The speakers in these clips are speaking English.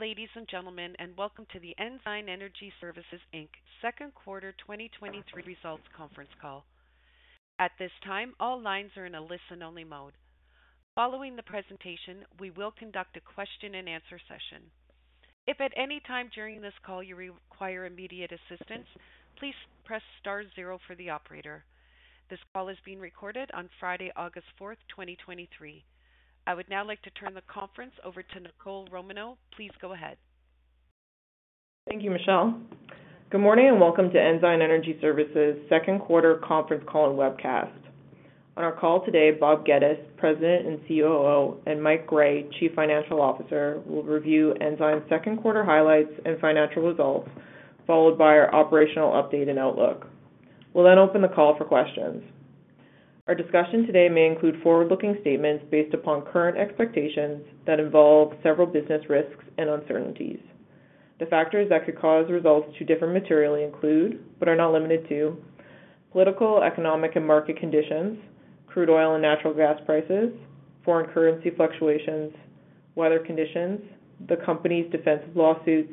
Hey, ladies and gentlemen, welcome to the Ensign Energy Services Inc.'s second quarter 2023 results conference call. At this time, all lines are in a listen-only mode. Following the presentation, we will conduct a question-and-answer session. If at any time during this call you require immediate assistance, please press star zero for the operator. This call is being recorded on Friday, August 4th, 2023. I would now like to turn the conference over to Nicole Romanow. Please go ahead. Thank you, Michelle. Good morning, welcome to Ensign Energy Services second quarter conference call and webcast. On our call today, Bob Geddes, President and COO, and Mike Gray, Chief Financial Officer, will review Ensign's second quarter highlights and financial results, followed by our operational update and outlook. We'll open the call for questions. Our discussion today may include forward-looking statements based upon current expectations that involve several business risks and uncertainties. The factors that could cause results to differ materially include, are not limited to, political, economic and market conditions, crude oil and natural gas prices, foreign currency fluctuations, weather conditions, the company's defensive lawsuits,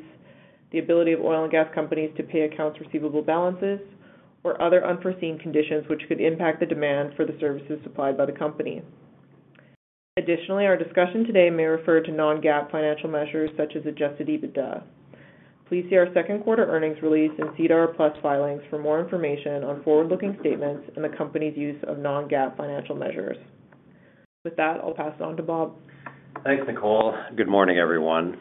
the ability of oil and gas companies to pay accounts receivable balances, or other unforeseen conditions which could impact the demand for the services supplied by the company. Additionally, our discussion today may refer to non-GAAP financial measures such as adjusted EBITDA. Please see our second quarter earnings release and SEDAR+ filings for more information on forward-looking statements and the company's use of non-GAAP financial measures. With that, I'll pass it on to Bob. Thanks, Nicole. Good morning, everyone.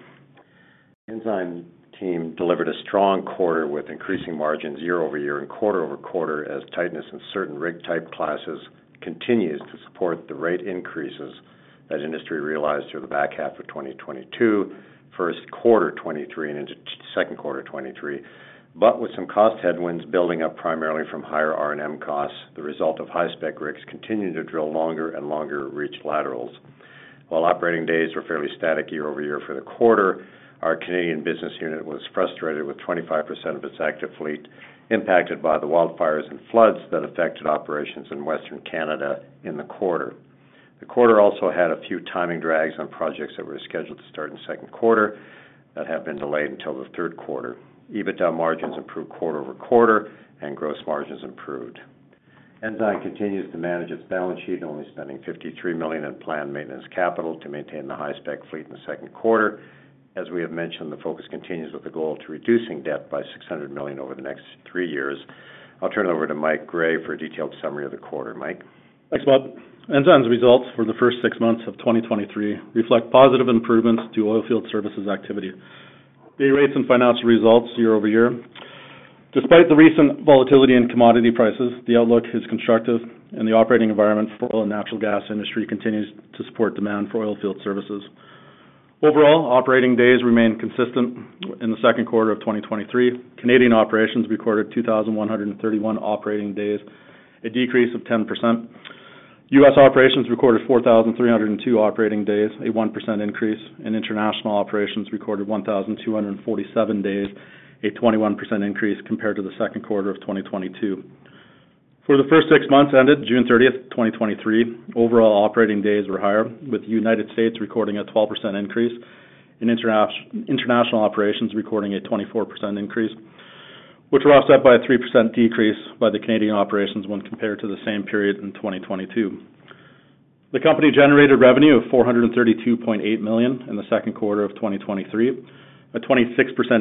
Ensign team delivered a strong quarter with increasing margins year-over-year and quarter-over-quarter, as tightness in certain rig type classes continues to support the rate increases that industry realized through the back half of 2022, first quarter 2023, and into second quarter 2023. With some cost headwinds building up primarily from higher R&M costs, the result of high-spec rigs continuing to drill longer and longer reach laterals. While operating days were fairly static year-over-year for the quarter, our Canadian business unit was frustrated with 25% of its active fleet impacted by the wildfires and floods that affected operations in Western Canada in the quarter. The quarter also had a few timing drags on projects that were scheduled to start in the second quarter that have been delayed until the third quarter. EBITDA margins improved quarter-over-quarter and gross margins improved. Ensign continues to manage its balance sheet, only spending $53 million in planned maintenance capital to maintain the high-spec fleet in the second quarter. As we have mentioned, the focus continues with the goal to reducing debt by $600 million over the next three years. I'll turn it over to Mike Gray for a detailed summary of the quarter. Mike? Thanks, Bob. Ensign's results for the first six months of 2023 reflect positive improvements to oilfield services activity, day rates and financial results year-over-year. Despite the recent volatility in commodity prices, the outlook is constructive and the operating environment for oil and natural gas industry continues to support demand for oilfield services. Overall, operating days remained consistent in the second quarter of 2023. Canadian operations recorded 2,131 operating days, a decrease of 10%. US operations recorded 4,302 operating days, a 1% increase, and international operations recorded 1,247 days, a 21% increase compared to the second quarter of 2022. For the first six months ended June 30th, 2023, overall operating days were higher, with United States recording a 12% increase and international operations recording a 24% increase, which were offset by a 3% decrease by the Canadian operations when compared to the same period in 2022. The company generated revenue of $432.8 million in the second quarter of 2023, a 26%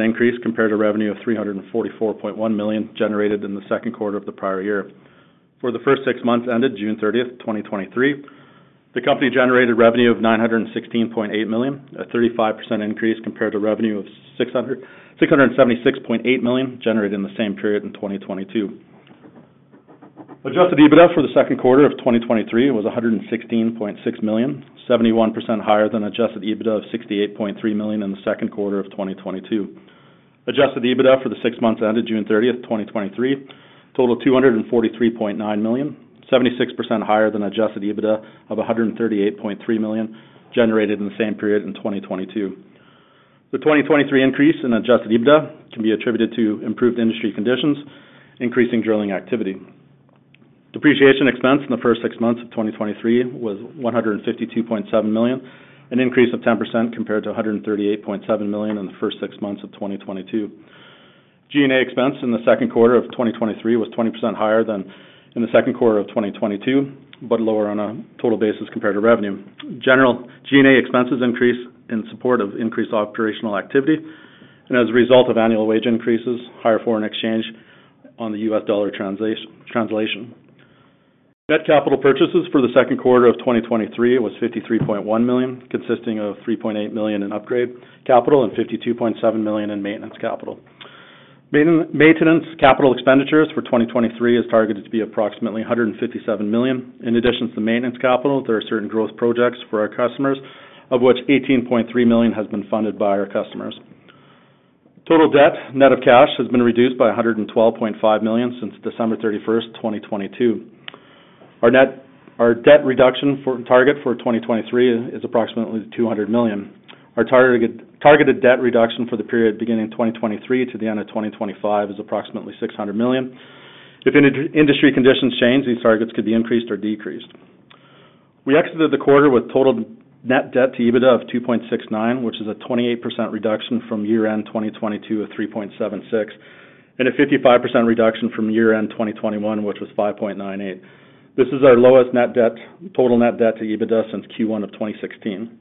increase compared to revenue of $344.1 million generated in the second quarter of the prior year. For the first six months ended June 30th, 2023, the company generated revenue of $916.8 million, a 35% increase compared to revenue of $676.8 million, generated in the same period in 2022. Adjusted EBITDA for the second quarter of 2023 was $116.6 million, 71% higher than adjusted EBITDA of $68.3 million in the second quarter of 2022. Adjusted EBITDA for the six months ended June 30th, 2023, totaled $243.9 million, 76% higher than adjusted EBITDA of $138.3 million, generated in the same period in 2022. The 2023 increase in Adjusted EBITDA can be attributed to improved industry conditions, increasing drilling activity. Depreciation expense in the first six months of 2023 was $152.7 million, an increase of 10% compared to $138.7 million in the first six months of 2022. G&A expense in the second quarter of 2023 was 20% higher than in the second quarter of 2022, but lower on a total basis compared to revenue. General G&A expenses increased in support of increased operational activity and as a result of annual wage increases, higher foreign exchange on the US dollar translation. Net capital purchases for the second quarter of 2023 was $53.1 million, consisting of $3.8 million in upgrade capital and $52.7 million in maintenance capital. Maintenance capital expenditures for 2023 is targeted to be approximately $157 million. In addition to the maintenance capital, there are certain growth projects for our customers, of which $18.3 million has been funded by our customers. Total debt, net of cash, has been reduced by $112.5 million since December 31, 2022. Our debt reduction target for 2023 is approximately $200 million. Our targeted debt reduction for the period beginning in 2023 to the end of 2025 is approximately $600 million. If industry conditions change, these targets could be increased or decreased. We exited the quarter with total net debt to EBITDA of 2.69, which is a 28% reduction from year-end 2022 of 3.76, and a 55% reduction from year-end 2021, which was 5.98. This is our lowest net debt, total net debt to EBITDA since Q1 of 2016.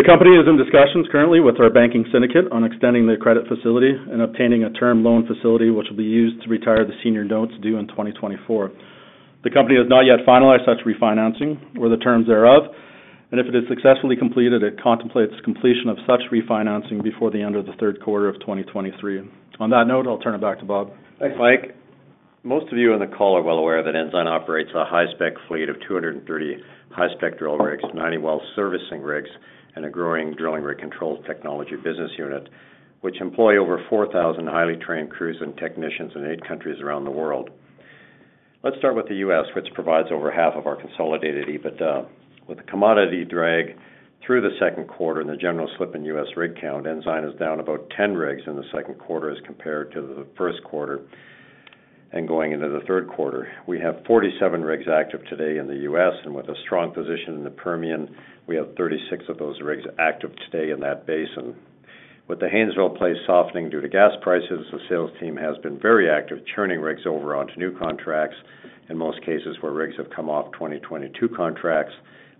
The company is in discussions currently with our banking syndicate on extending their credit facility and obtaining a term loan facility, which will be used to retire the senior notes due in 2024. The company has not yet finalized such refinancing or the terms thereof, and if it is successfully completed, it contemplates completion of such refinancing before the end of the third quarter of 2023. On that note, I'll turn it back to Bob. Thanks, Mike. Most of you on the call are well aware that Ensign operates a high-spec fleet of 230 high-spec drill rigs, 90 well servicing rigs, and a growing drilling rig controls technology business unit, which employ over 4,000 highly trained crews and technicians in eight countries around the world. Let's start with the U.S., which provides over half of our consolidated EBITDA. With the commodity drag through the second quarter and the general slip in US rig count, Ensign is down about 10 rigs in the second quarter as compared to the first quarter and going into the third quarter. We have 47 rigs active today in the U.S., and with a strong position in the Permian, we have 36 of those rigs active today in that basin. With the Haynesville play softening due to gas prices, the sales team has been very active, churning rigs over onto new contracts. In most cases, where rigs have come off 2022 contracts,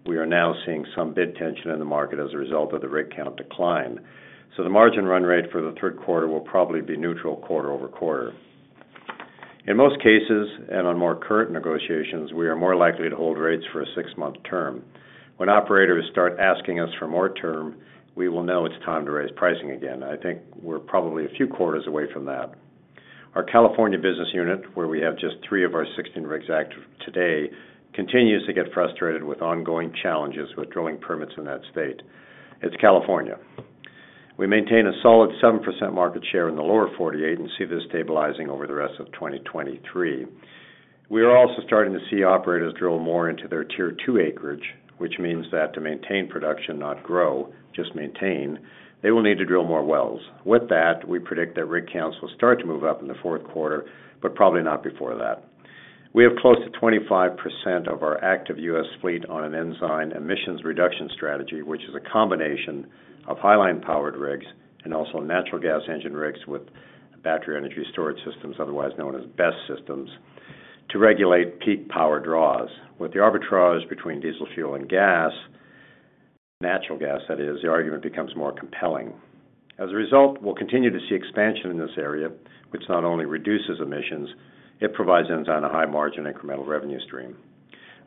we are now seeing some bid tension in the market as a result of the rig count decline. The margin run rate for the third quarter will probably be neutral quarter-over-quarter. In most cases, and on more current negotiations, we are more likely to hold rates for a six-month term. When operators start asking us for more term, we will know it's time to raise pricing again. I think we're probably a few quarters away from that. Our California business unit, where we have just three of our 16 rigs active today, continues to get frustrated with ongoing challenges with drilling permits in that state. It's California. We maintain a solid 7% market share in the lower 48 and see this stabilizing over the rest of 2023. We are also starting to see operators drill more into their tier two acreage, which means that to maintain production, not grow, just maintain, they will need to drill more wells. With that, we predict that rig counts will start to move up in the fourth quarter, but probably not before that. We have close to 25% of our active US Fleet on an Ensign emissions reduction strategy, which is a combination of high-line powered rigs and also natural gas engine rigs with battery energy storage systems, otherwise known as BESS systems, to regulate peak power draws. With the arbitrage between diesel, fuel, and gas, natural gas, that is, the argument becomes more compelling. As a result, we'll continue to see expansion in this area, which not only reduces emissions, it provides Ensign a high margin incremental revenue stream.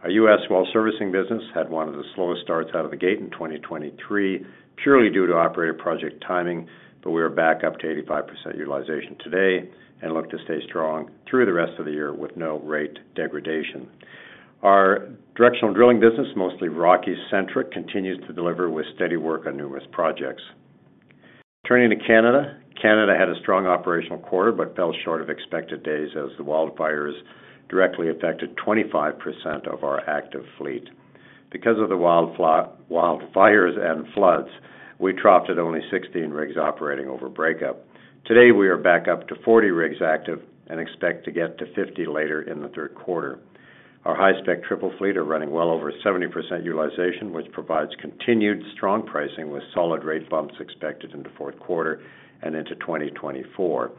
Our U.S well servicing business had one of the slowest starts out of the gate in 2023, purely due to operator project timing, we are back up to 85% utilization today and look to stay strong through the rest of the year with no rate degradation. Our directional drilling business, mostly Rocky-centric, continues to deliver with steady work on numerous projects. Turning to Canada. Canada had a strong operational quarter, fell short of expected days as the wildfires directly affected 25% of our active fleet. Because of the wildfires and floods, we dropped to only 16 rigs operating over breakup. Today, we are back up to 40 rigs active and expect to get to 50 later in the third quarter. Our high-spec triple fleet are running well over 70% utilization, which provides continued strong pricing, with solid rate bumps expected in the fourth quarter and into 2024.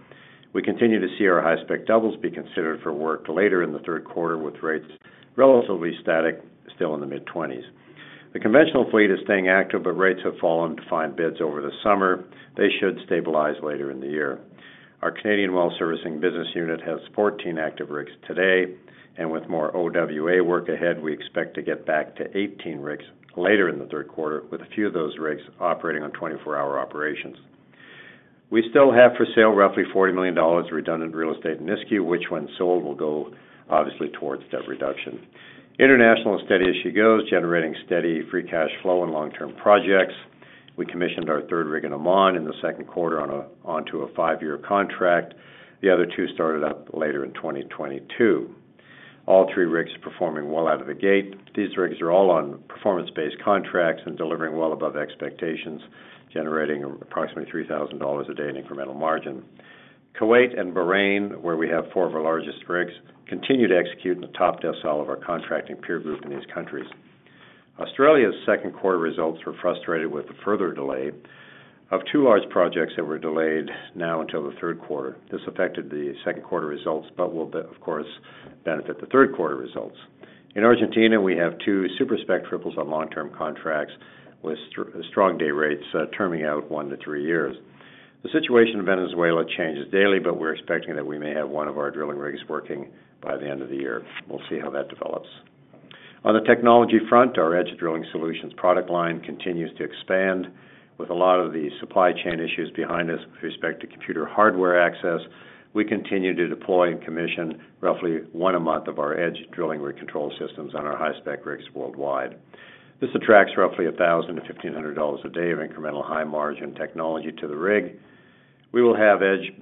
We continue to see our high-spec doubles be considered for work later in the third quarter, with rates relatively static, still in the mid-20s. Rates have fallen to find bids over the summer. They should stabilize later in the year. Our Canadian well servicing business unit has 14 active rigs today, and with more OWA work ahead, we expect to get back to 18 rigs later in the third quarter, with a few of those rigs operating on 24-hour operations. We still have for sale, roughly 40 million dollars redundant real estate in Nisku, which when sold, will go obviously towards debt reduction. International is steady as she goes, generating steady, free cash flow and long-term projects. We commissioned our third rig in Oman in the second quarter onto a five-year contract. The other two started up later in 2022. All three rigs are performing well out of the gate. These rigs are all on performance-based contracts and delivering well above expectations, generating approximately $3,000 a day in incremental margin. Kuwait and Bahrain, where we have four of our largest rigs, continue to execute in the top decile of our contracting peer group in these countries. Australia's second quarter results were frustrated with a further delay of two large projects that were delayed now until the third quarter. This affected the second quarter results, will, of course, benefit the third quarter results. In Argentina, we have two super-spec triples on long-term contracts with strong day rates, terming out one to three years. The situation in Venezuela changes daily, but we're expecting that we may have one of our drilling rigs working by the end of the year. We'll see how that develops. On the technology front, our EDGE Drilling Solutions product line continues to expand. With a lot of the supply chain issues behind us with respect to computer hardware access, we continue to deploy and commission roughly one a month of our EDGE drilling rig control systems on our high-spec rigs worldwide. This attracts roughly $1,000-$1,500 a day of incremental high-margin technology to the rig. We will have EDGE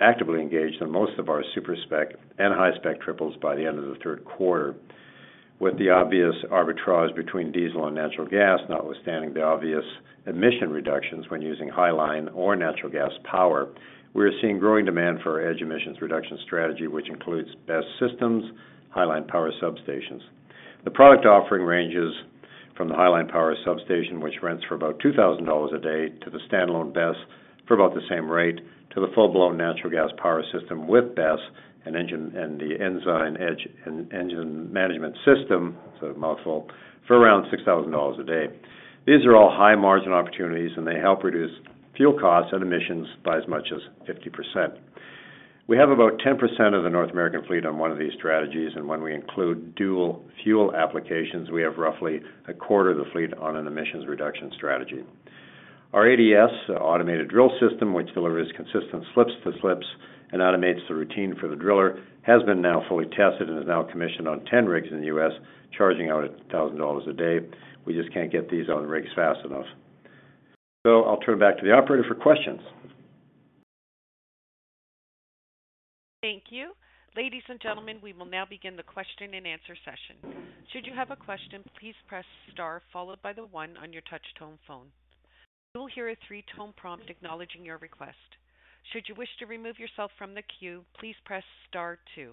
actively engaged in most of our super-spec and high-spec triples by the end of the third quarter. With the obvious arbitrage between diesel and natural gas, notwithstanding the obvious emission reductions when using highline or natural gas power, we are seeing growing demand for our EDGE emissions reduction strategy, which includes BESS systems, highline power substations. The product offering ranges from the highline power substation, which rents for about $2,000 a day, to the standalone BESS for about the same rate, to the full-blown natural gas power system with BESS and the Ensign EDGE and engine management system, it's a mouthful, for around $6,000 a day. These are all high-margin opportunities, and they help reduce fuel costs and emissions by as much as 50%. We have about 10% of the North American Fleet on one of these strategies, and when we include dual fuel applications, we have roughly a quarter of the fleet on an emissions reduction strategy. Our ADS, Automated Drill System, which delivers consistent slips to slips and automates the routine for the driller, has been now fully tested and is now commissioned on 10 rigs in the U.S., charging out at $1,000 a day. We just can't get these on the rigs fast enough. I'll turn it back to the operator for questions. Thank you. Ladies and gentlemen, we will now begin the question-and-answer session. Should you have a question, please press star followed by the one on your touch-tone phone. You will hear a three-tone prompt acknowledging your request. Should you wish to remove yourself from the queue, please press star two.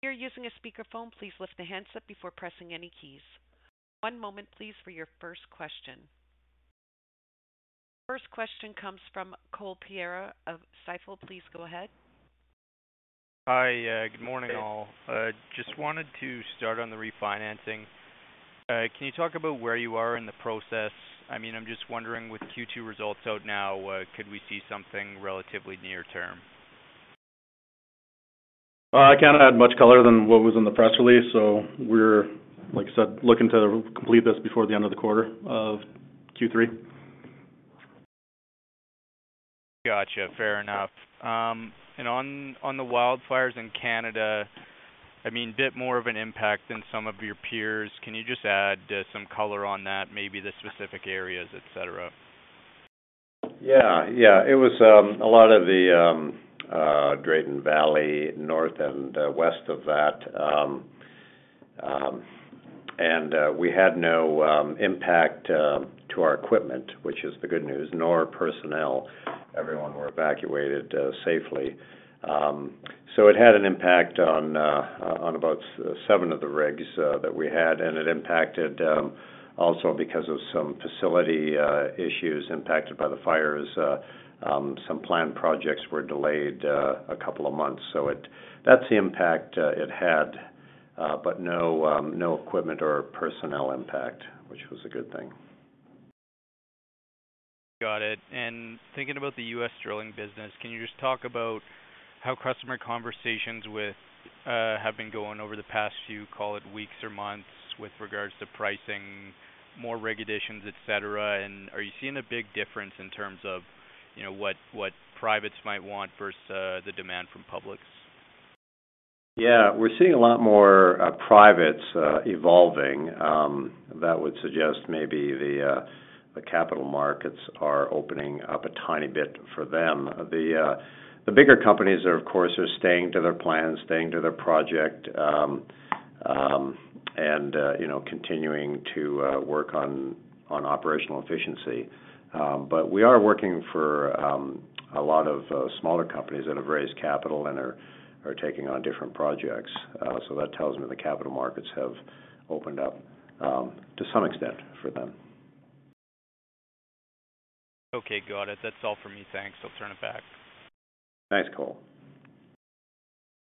If you're using a speakerphone, please lift the handset before pressing any keys. One moment, please, for your first question. First question comes from Cole Pereira of Stifel. Please go ahead. Hi, good morning, all. I just wanted to start on the refinancing. Can you talk about where you are in the process? I mean, I'm just wondering, with Q2 results out now, could we see something relatively near-term? I can't add much color than what was in the press release, so we're, like I said, looking to complete this before the end of the quarter of Q3. Got you. Fair enough. On, on the wildfires in Canada, I mean, a bit more of an impact than some of your peers. Can you just add some color on that, maybe the specific areas, et cetera? Yeah, yeah. It was a lot of the Drayton Valley, north and west of that. We had no impact to our equipment, which is the good news, nor personnel. Everyone were evacuated safely. It had an impact on about seven of the rigs that we had, and it impacted also because of some facility issues impacted by the fires, some planned projects were delayed two months. That's the impact it had, but no equipment or personnel impact, which was a good thing. Got it. Thinking about the US drilling business, can you just talk about how customer conversations with, have been going over the past few, call it, weeks or months with regards to pricing, more rig additions, et cetera? Are you seeing a big difference in terms of, you know, what, what privates might want versus, the demand from publics? Yeah, we're seeing a lot more privates evolving. That would suggest maybe the capital markets are opening up a tiny bit for them. The bigger companies are, of course, are staying to their plan, staying to their project, and, you know, continuing to work on operational efficiency. We are working for a lot of smaller companies that have raised capital and are taking on different projects. That tells me the capital markets have opened up to some extent for them. Okay, got it. That's all for me. Thanks. I'll turn it back. Thanks, Cole.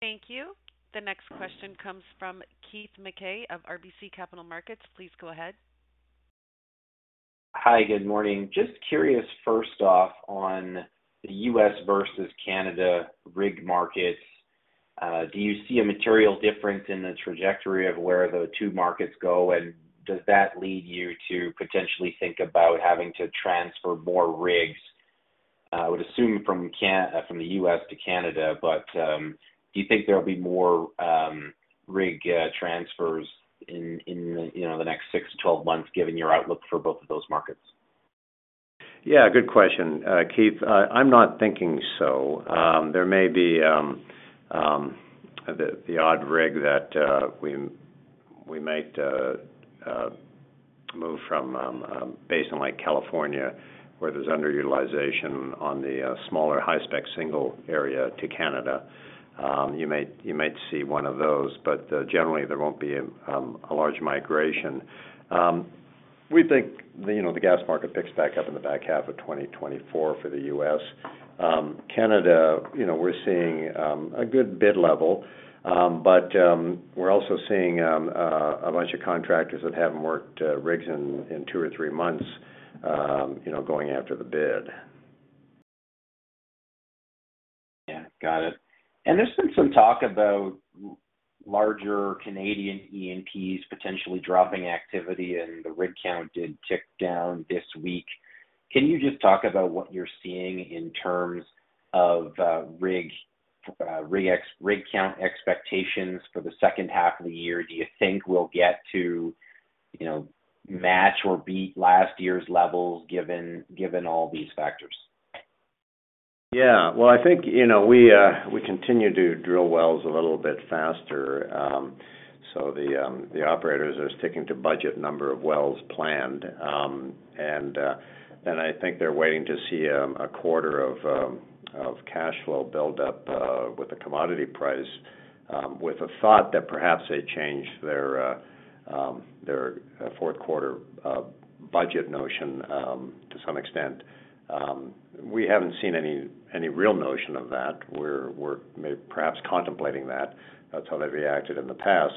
Thank you. The next question comes from Keith Mackey of RBC Capital Markets. Please go ahead. Hi, good morning. Just curious, first off, on the U.S. versus Canada rig markets, do you see a material difference in the trajectory of where the two markets go? Does that lead you to potentially think about having to transfer more rigs, I would assume from the U.S. to Canada, but, do you think there will be more rig transfers in, you know, the next six to 12 months, given your outlook for both of those markets? Yeah, good question, Keith. I'm not thinking so. There may be the odd rig that we might move from a basin like California, where there's underutilization on the smaller high-spec singles to Canada. You might, you might see one of those, but generally, there won't be a large migration. We think, you know, the gas market picks back up in the back half of 2024 for the U.S. Canada, you know, we're seeing a good bid level, but we're also seeing a bunch of contractors that haven't worked rigs in two or three months, you know, going after the bid. Yeah, got it. There's been some talk about larger Canadian E&Ps potentially dropping activity, and the rig count did tick down this week. Can you just talk about what you're seeing in terms of rig count expectations for the second half of the year? Do you think we'll get to, you know, match or beat last year's levels, given, given all these factors? Yeah. Well, I think, you know, we, we continue to drill wells a little bit faster, so the, the operators are sticking to budget number of wells planned. I think they're waiting to see, a quarter of cash flow build up, with the commodity price, with a thought that perhaps they change their, their fourth quarter, budget notion, to some extent. We haven't seen any, any real notion of that. We're, we're may perhaps contemplating that. That's how they've reacted in the past.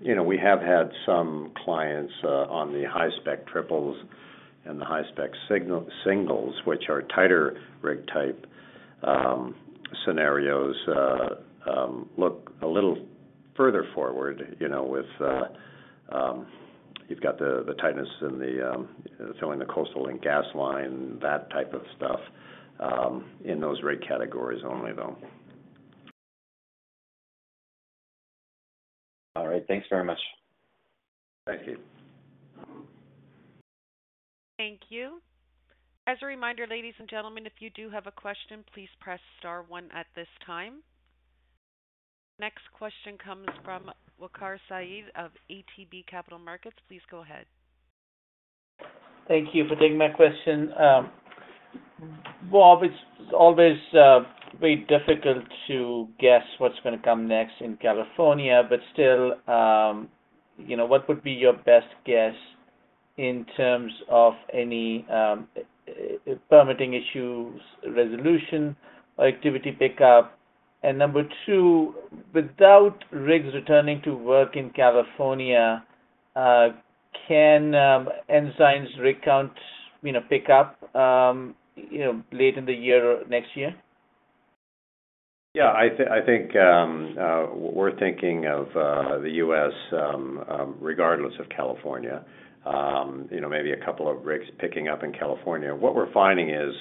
You know, we have had some clients on the high-spec triples and the high-spec singles, which are tighter rig type scenarios look a little further forward, you know, with you've got the tightness in the filling the casing and gas line, that type of stuff in those rig categories only, though. All right. Thanks very much. Thank you. Thank you. As a reminder, ladies and gentlemen, if you do have a question, please press star one at this time. Next question comes from Waqar Syed of ATB Capital Markets. Please go ahead. Thank you for taking my question. Well, it's always very difficult to guess what's gonna come next in California, but still, you know, what would be your best guess in terms of any permitting issues, resolution or activity pickup? Number two, without rigs returning to work in California, can Ensign's rig count, you know, pick up, you know, late in the year or next year? Yeah, I think we're thinking of the U.S., regardless of California, you know, maybe a couple of rigs picking up in California. What we're finding is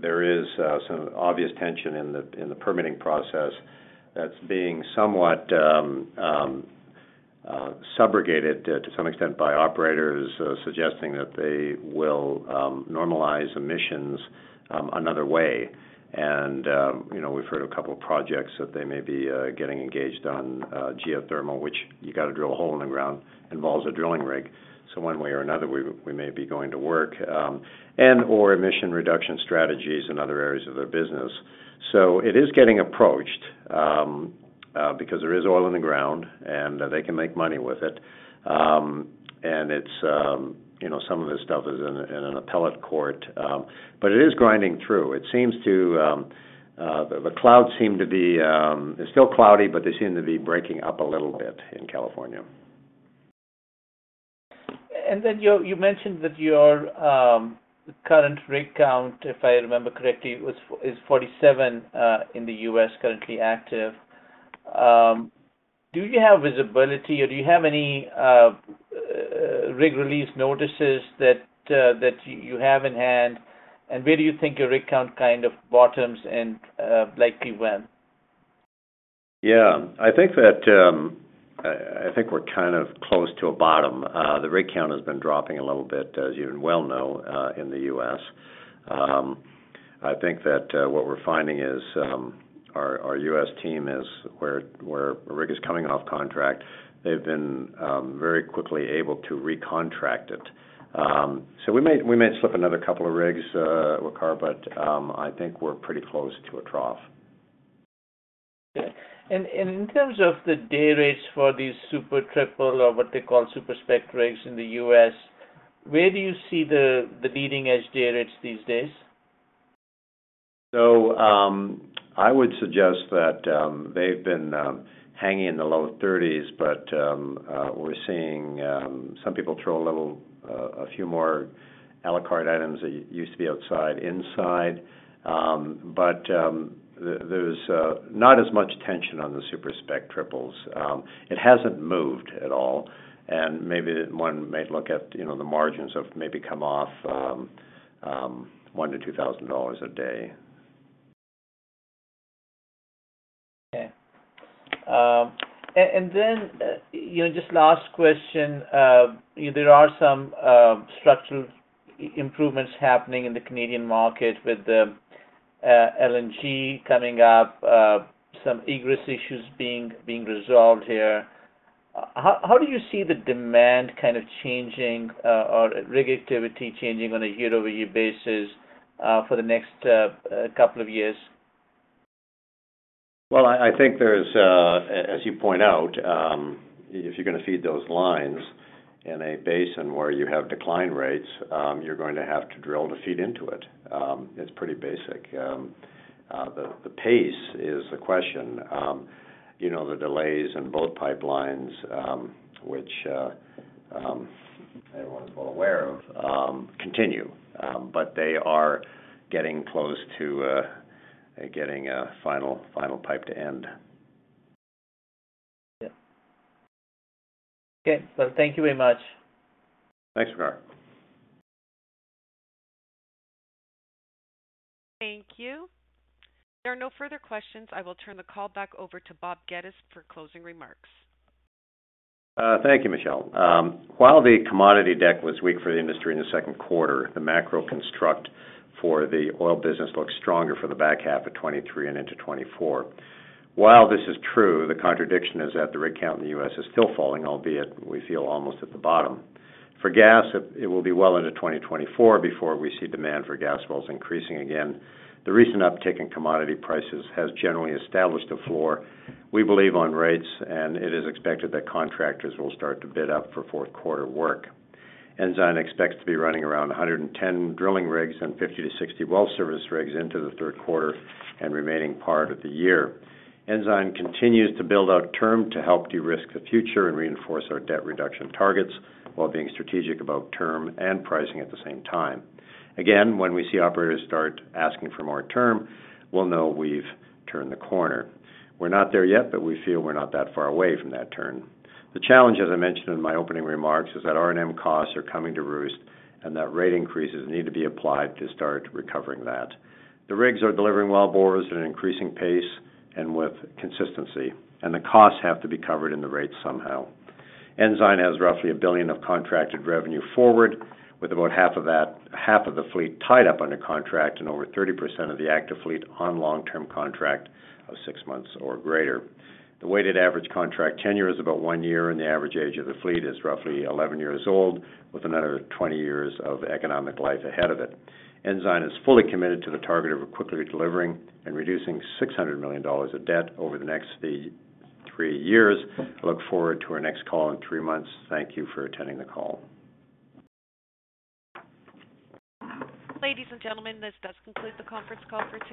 there is some obvious tension in the permitting process that's being somewhat subrogated to some extent by operators, suggesting that they will normalize emissions another way. You know, we've heard a couple of projects that they may be getting engaged on geothermal, which you got to drill a hole in the ground, involves a drilling rig. One way or another, we, we may be going to work, and/or emission reduction strategies in other areas of their business. It is getting approached because there is oil in the ground and they can make money with it. It's, you know, some of this stuff is in an appellate court, but it is grinding through. It seems to, the clouds seem to be, it's still cloudy, but they seem to be breaking up a little bit in California. Then you, you mentioned that your, current rig count, if I remember correctly, was, is 47, in the U.S., currently active. Do you have visibility or do you have any rig release notices that you have in hand? Where do you think your rig count kind of bottoms and, likely when? Yeah, I think that, I, I think we're kind of close to a bottom. The rig count has been dropping a little bit, as you well know, in the U.S. I think that, what we're finding is, our, our U.S. team is where, where a rig is coming off contract. They've been very quickly able to recontract it. We may, we may slip another couple of rigs, Waqar, but, I think we're pretty close to a trough. And in terms of the day rates for these super triple or what they call super-spec rigs in the U.S., where do you see the leading-edge day rates these days? I would suggest that they've been hanging in the low 30s, but we're seeing some people throw a little a few more a la carte items that used to be outside, inside. There, there's not as much tension on the super-spec triples. It hasn't moved at all, and maybe one may look at, you know, the margins of maybe come off $1,000-$2,000 a day. Okay. You know, just last question. There are some structural improvements happening in the Canadian market with the LNG coming up, some egress issues being resolved here. How do you see the demand kind of changing or rig activity changing on a year-over-year basis for the next couple of years? Well, I, I think there's, as you point out, if you're gonna feed those lines in a basin where you have decline rates, you're going to have to drill to feed into it. It's pretty basic. The pace is the question. You know, the delays in both pipelines, which everyone is well aware of, continue, but they are getting close to getting a final, final pipe to end. Yeah. Okay. Thank you very much. Thanks, Waqar. Thank you. There are no further questions. I will turn the call back over to Bob Geddes for closing remarks. Thank you, Michelle. While the commodity deck was weak for the industry in the second quarter, the macro construct for the oil business looks stronger for the back half of 2023 and into 2024. While this is true, the contradiction is that the rig count in the U.S. is still falling, albeit we feel almost at the bottom. For gas, it will be well into 2024 before we see demand for gas wells increasing again. The recent uptick in commodity prices has generally established a floor, we believe, on rates, and it is expected that contractors will start to bid up for fourth quarter work. Ensign expects to be running around 110 drilling rigs and 50-60 well service rigs into the third quarter and remaining part of the year. Ensign continues to build out term to help de-risk the future and reinforce our debt reduction targets while being strategic about term and pricing at the same time. Again, when we see operators start asking for more term, we'll know we've turned the corner. We're not there yet, but we feel we're not that far away from that turn. The challenge, as I mentioned in my opening remarks, is that R&M costs are coming to roost and that rate increases need to be applied to start recovering that. The rigs are delivering well bores at an increasing pace and with consistency, and the costs have to be covered in the rates somehow. Ensign has roughly $1 billion of contracted revenue forward, with about 50% of that, 50% of the fleet tied up under contract and over 30% of the active fleet on long-term contract of six months or greater. The weighted average contract tenure is about one year. The average age of the fleet is roughly 11 years old, with another 20 years of economic life ahead of it. Ensign is fully committed to the target of quickly delivering and reducing $600 million of debt over the next three years. I look forward to our next call in three months. Thank you for attending the call. Ladies and gentlemen, this does conclude the conference call for today.